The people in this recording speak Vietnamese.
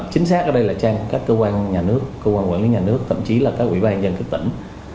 chính xác ở đây là trang các cơ quan nhà nước cơ quan quản lý nhà nước thậm chí là các ủy ban dân cấp tỉnh